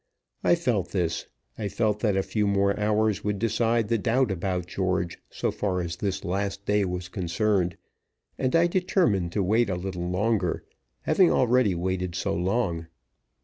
I felt this; I felt that a few more hours would decide the doubt about George, so far as this last day was concerned, and I determined to wait a little longer, having already waited so long.